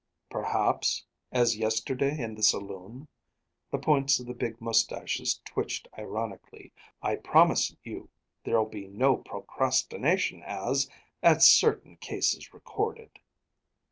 "Perhaps, as yesterday, in the saloon?" The points of the big moustaches twitched ironically. "I promise you there'll be no procrastination as at certain cases recorded."